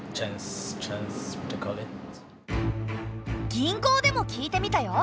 銀行でも聞いてみたよ。